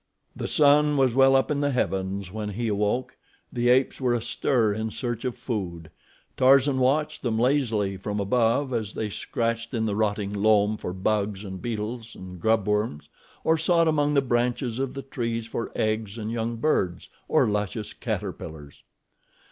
The sun was well up in the heavens when he awoke. The apes were astir in search of food. Tarzan watched them lazily from above as they scratched in the rotting loam for bugs and beetles and grubworms, or sought among the branches of the trees for eggs and young birds, or luscious caterpillars.